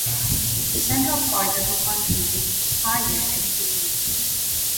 The central part of the county is higher and hillier.